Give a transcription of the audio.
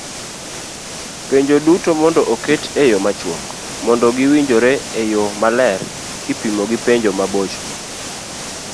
Penjo duto mondo oket eyo machuok mondo giwinjore eyo maler kipimo gi penjo mabocho